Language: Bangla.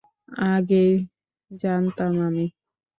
আগেই জানতাম আমি।